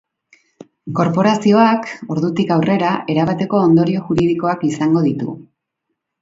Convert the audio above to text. Korporazioak, ordutik aurrera, erabateko ondorio juridikoak izango ditu.